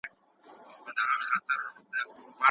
خپله پوهه په سمه توګه وکاروه.